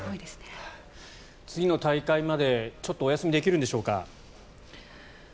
次の大会までちょっとお休みできるんでしょうか？